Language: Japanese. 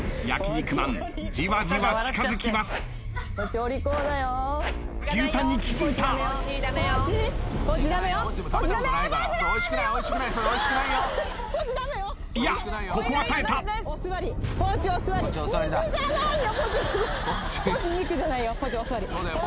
肉じゃないよ。